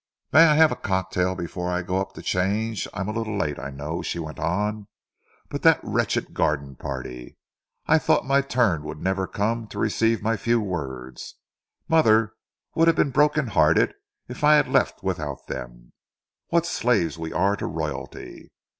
May I have a cocktail before I go up to change? I am a little late, I know," she went on, "but that wretched garden party! I thought my turn would never come to receive my few words. Mother would have been broken hearted if I had left without them. What slaves we are to royalty!